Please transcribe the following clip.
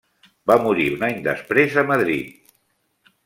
Va morir un any després a Madrid.